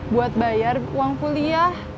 buat bayar uang kuliah